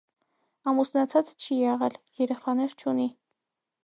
Ամուսնացած չի եղել, երեխաներ չունի։